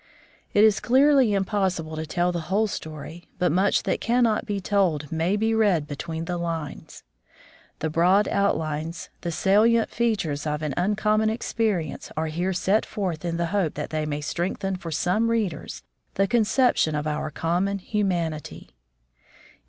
It is clearly impossible to tell the whole story, but much that cannot be told may be read "between the lines." The broad outlines, the salient features of an uncommon experience are here set forth in the hope that they may strengthen for some readers the conception of our common humanity.